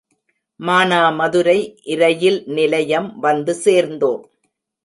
மானாமதுரை இரயில் நிலையம் வந்து சேர்ந்தோம்.